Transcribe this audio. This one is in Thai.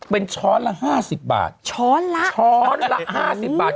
เป็นช้อนละห้าสิบบาทช้อนละช้อนละห้าสิบบาท